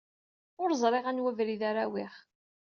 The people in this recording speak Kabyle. Ur ẓriɣ anwa abrid ara awiɣ.